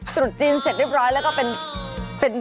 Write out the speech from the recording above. ตรุษจีนเสร็จเรียบร้อยแล้วก็เป็น